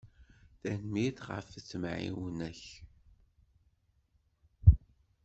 Tenmmirt ɣef temεiwna-ak.